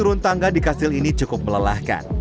turun tangga di kastil ini cukup melelahkan